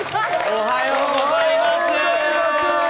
おはようございます！